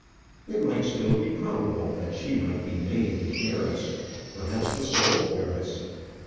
It might still be probable that she might be named the heiress perhaps the sole heiress.